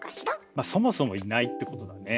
まあそもそもいないってことだね。